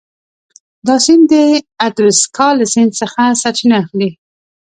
دا سیند د اتبسکا له سیند څخه سرچینه اخلي.